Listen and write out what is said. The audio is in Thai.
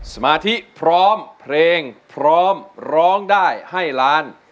สมาธิพร้อมเพลงพร้อมร้องได้ให้ล้าน